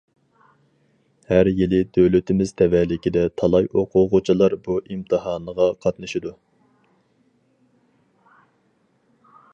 ھەر يىلى دۆلىتىمىز تەۋەلىكىدە تالاي ئوقۇغۇچىلار بۇ ئىمتىھانغا قاتنىشىدۇ.